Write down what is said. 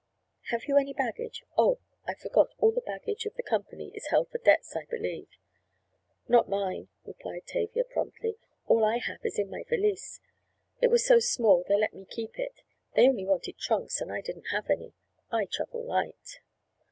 Have you any baggage—Oh, I forgot, all the baggage of the company is held for debts, I believe." "Not mine," replied Tavia promptly. "All I have is in my valise. It was so small they let me keep it. They only wanted trunks and I didn't have any. I travel light."